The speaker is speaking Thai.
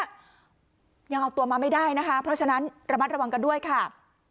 ยังเอาตัวมาไม่ได้นะคะเพราะฉะนั้นระมัดระวังกันด้วยค่ะ